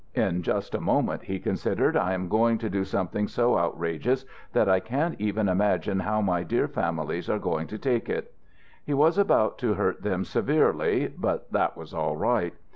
"In just a moment," he considered, "I am going to do something so outrageous that I can't even imagine how my dear families are going to take it." He was about to hurt them severely, but that was all right.